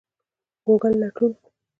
ګوګل لټون